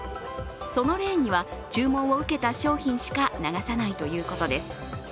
そのレーンには注文を受けた商品しか流さないということです。